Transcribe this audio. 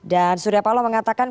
dan surya paloh mengatakan